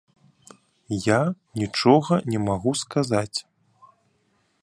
Я нічога не магу сказаць.